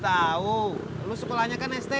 terdapat kecuali kesalahan dimanya buat anjing karo